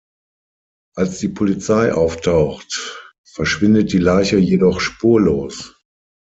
Als die Polizei auftaucht, verschwindet die Leiche jedoch spurlos.